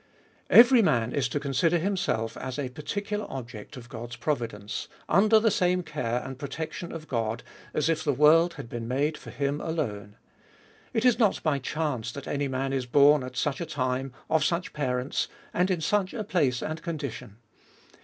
Every man is to considerdlimself as a particular ob ject of God's providence; under the same care and protection of God, as if the world had been made for iiim alone. It is not by chance that any man is born DEVOUT AND HOLY LIFE. 519 at such a time, of such parents,, and in such place and condition.